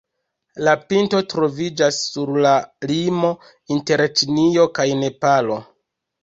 La pinto troviĝas sur la limo inter Ĉinio kaj Nepalo.